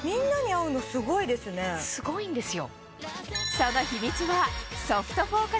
すごいんですよ。